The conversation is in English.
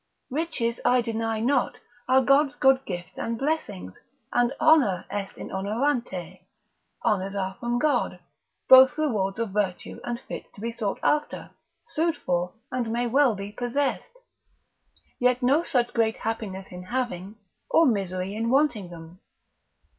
Riches I deny not are God's good gifts, and blessings; and honor est in honorante, honours are from God; both rewards of virtue, and fit to be sought after, sued for, and may well be possessed: yet no such great happiness in having, or misery in wanting of them.